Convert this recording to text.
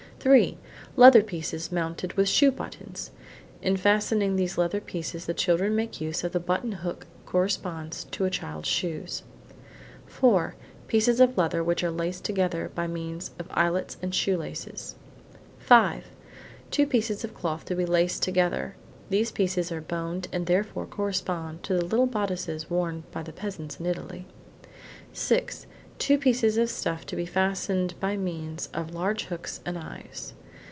Three: leather pieces mounted with shoe buttons–in fastening these leather pieces the children make use of the button hook–corresponds to a child's shoes. Four: pieces of leather which are laced together by means of eyelets and shoe laces. Five: two pieces of cloth to be laced together. (These pieces are boned and therefore correspond to the little bodices worn by the peasants in Italy.) Six: two pieces of stuff to be fastened by means of large hooks and eyes.